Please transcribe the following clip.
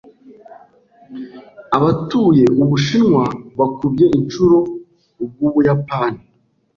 Abatuye Ubushinwa bakubye inshuro ubw'Ubuyapani.